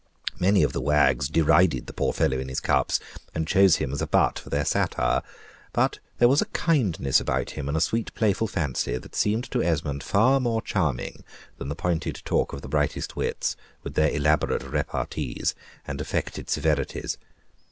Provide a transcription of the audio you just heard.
Many of the wags derided the poor fellow in his cups, and chose him as a butt for their satire: but there was a kindness about him, and a sweet playful fancy, that seemed to Esmond far more charming than the pointed talk of the brightest wits, with their elaborate repartees and affected severities.